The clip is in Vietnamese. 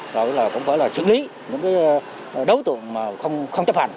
rồi cũng phải là xử lý những cái đấu tượng mà không chấp hành